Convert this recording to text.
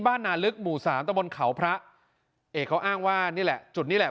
นาลึกหมู่สามตะบนเขาพระเอกเขาอ้างว่านี่แหละจุดนี้แหละ